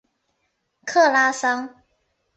克拉桑。